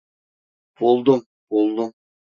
Buldum, buldum.